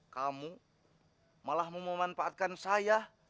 kamu malah memanfaatkan saya